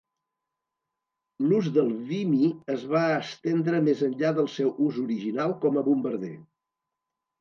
L'ús del Vimy es va estendre més enllà del seu ús original com a bombarder.